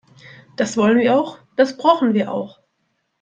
Das wollen wir auch, das brauchen wir auch.